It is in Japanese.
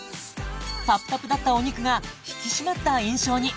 タプタプだったお肉が引き締まった印象に！